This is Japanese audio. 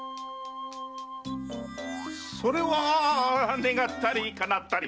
それは願ったりかなったり！